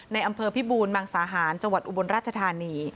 อำเภอพิบูรมังสาหารจังหวัดอุบลราชธานี